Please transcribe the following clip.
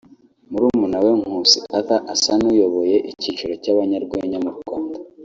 murumuna we Nkusi Arthur asa n’uyoboye icyiciro cy’abanyarwenya mu Rwanda